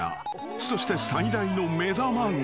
［そして最大の目玉が］